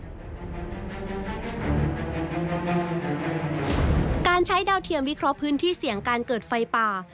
การใช้ดาวเทียมวิเคราะห์พื้นที่เสี่ยงการเกิดไฟป่า